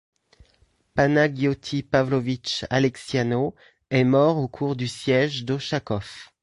Panagioti Pavlovitch Aleksiano est mort au cours du siège d'Ochakov.